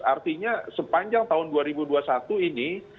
artinya sepanjang tahun dua ribu dua puluh satu ini